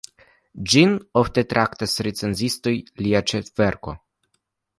Ĝin ofte traktas recenzistoj lia ĉefverko.